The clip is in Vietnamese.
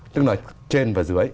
tức là trên và dưới